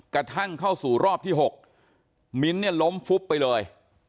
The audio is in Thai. กระทั่งเข้าสู่รอบที่๖มิ้นท์เนี่ยล้มฟุบไปเลย